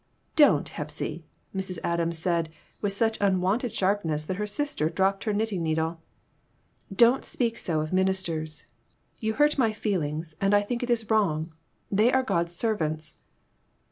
"Don't, Hepsy!" Mrs. Adams said, with such unwonted sharpness that her sister dropped her knitting needle. "Don't speak so of ministers; you hurt my feelings, and I think it is wrong. They are God's servants."